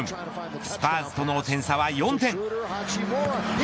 スパーズとの点差は４点。